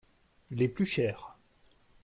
Les plus chères.